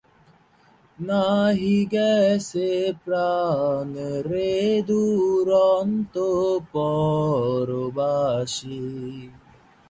স্থগিত লোড সাধারণত পলি, কাদামাটি এবং পলি পরিবহনের প্রক্রিয়া দ্বারা উত্সাহিত সূক্ষ্ম শস্য বালির মতো ছোট ছোট কণাকে বোঝায়।